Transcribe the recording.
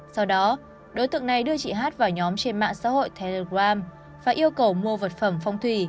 sau đó đối tượng này đưa chị hát vào nhóm trên mạng xã hội telegram và yêu cầu mua vật phẩm phong thủy